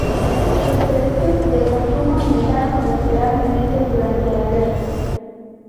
Los precios de consumo aumentaron considerablemente durante la guerra.